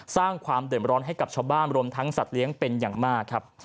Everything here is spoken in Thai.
สร้างความเดือดร้อนให้กับชาวบ้านรวมทั้งสัตว์เลี้ยงเป็นอย่างมากครับ